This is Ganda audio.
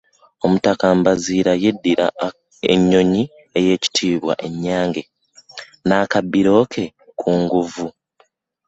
Omutaka Mbaziira yeddira Nnyonyi eyitibwa Ennyange, n’akabbiro ke Kkunguvvu.